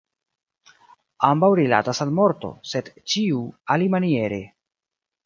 Ambaŭ rilatas al morto, sed ĉiu alimaniere.